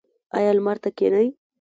ایا لمر ته کینئ؟